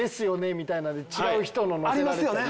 みたいなので違う人の載せられたり。